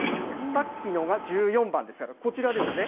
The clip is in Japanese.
さっきのが１４番でしたから、こちらですね。